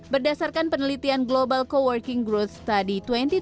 berdasarkan penelitian global co working growth study dua ribu dua puluh